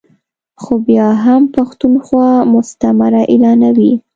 خو بیا هم پښتونخوا مستعمره اعلانوي ا